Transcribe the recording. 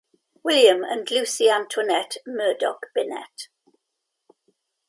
William and Lucy Antoinette (Murdock) Binet.